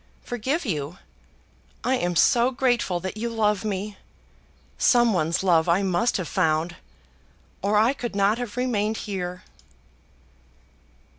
Forgive you! I am so grateful that you love me! Some one's love I must have found, or I could not have remained here."